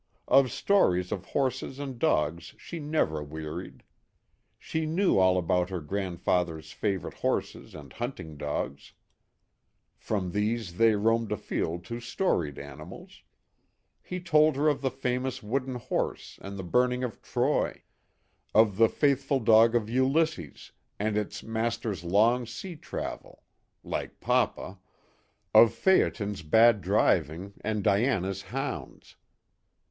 Of stories of horses and dogs she never wearied. She knew all about her grandfather's favorite horses and hunting dogs from these I06 " MISSMILLY." they roamed afield to storied animals ; he told her of the famous wooden horse and the burn ing of Troy, of the faithful dog of Ulysses and its master's long sea travel (" like papa "), of Phaeton's bad driving and Diana's hounds.